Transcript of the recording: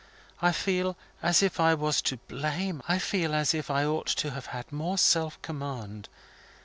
I feel as if I was to blame I feel as if I ought to have had more self command.